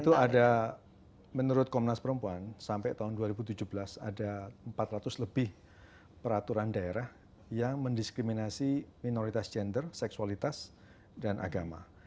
itu ada menurut komnas perempuan sampai tahun dua ribu tujuh belas ada empat ratus lebih peraturan daerah yang mendiskriminasi minoritas gender seksualitas dan agama